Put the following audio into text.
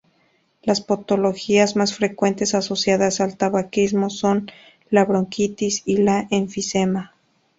Las patologías más frecuentes asociadas al tabaquismo son la bronquitis y el enfisema.